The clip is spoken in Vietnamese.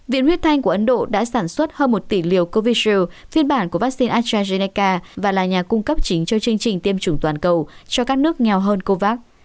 viện huyết thanh của ấn độ đã sản xuất hơn một tỷ liều covid một mươi chín phiên bản của vắc xin astrazeneca và là nhà cung cấp chính cho chương trình tiêm chủng toàn cầu cho các nước nghèo hơn covax